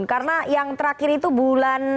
karena yang terakhir itu bulan